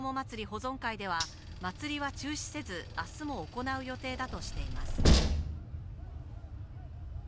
保存会では、祭りは中止せず、あすも行う予定だとしています。